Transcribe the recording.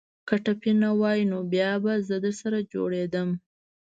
که ټپي نه واى نو بيا به زه درسره جوړېدم.